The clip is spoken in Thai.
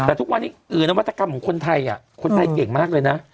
แต่ทุกวันนี้อื่นนวัตกรรมของคนไทยเก่งมากเลย